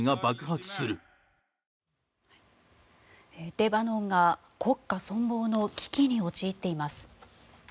レバノンが国家存亡の危機に陥っています。